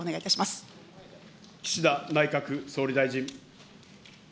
岸田内閣総理大臣。